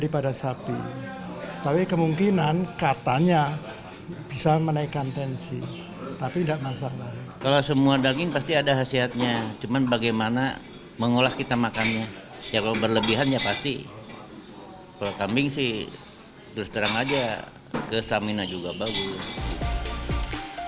pasti kalau kambing sih terus terang aja kesamina juga bagus